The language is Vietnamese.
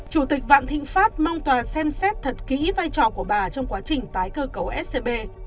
chủ tịch vạn thịnh pháp mong tòa xem xét thật kỹ vai trò của bà trong quá trình tái cơ cấu scb